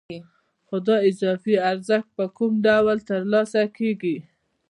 خو دا اضافي ارزښت په کوم ډول ترلاسه کېږي